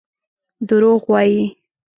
دروغ وايي.